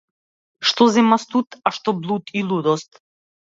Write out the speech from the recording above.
Што зема студ, а што блуд и лудост.